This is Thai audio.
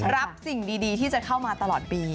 สิ่งดีที่จะเข้ามาตลอดปี